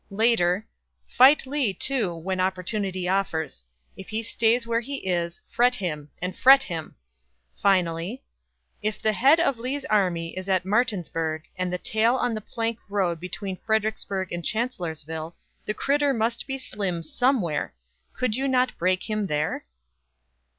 Later: "Fight Lee, too, when opportunity offers. If he stays where he is, fret him and fret him!" Finally: "If the head of Lee's army is at Martinsburg, and the tail on the plank road between Fredericksburg and Chancellorsville, the critter must be slim somewhere; could you not break him there?"